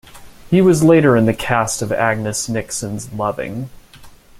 He was later in the cast of Agnes Nixon's Loving.